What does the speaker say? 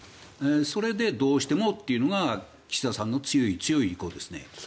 それでどうしてもというのが岸田さんの強い強い意向ですね。